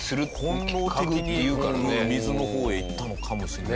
本能的に水の方へ行ったのかもしれない。